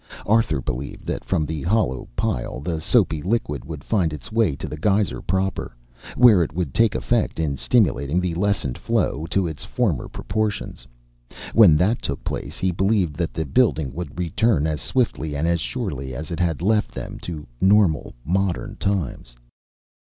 Arthur believed that from the hollow pile the soapy liquid would find its way to the geyser proper, where it would take effect in stimulating the lessened flow to its former proportions. When that took place he believed that the building would return as swiftly and as surely as it had left them to normal, modern times.